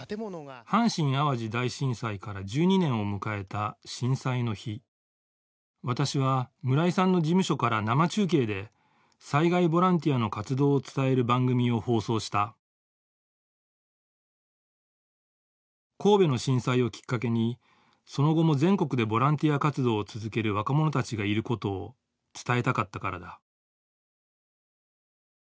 阪神・淡路大震災から１２年を迎えた震災の日私は村井さんの事務所から生中継で災害ボランティアの活動を伝える番組を放送した神戸の震災をきっかけにその後も全国でボランティア活動を続ける若者たちがいることを伝えたかったからだ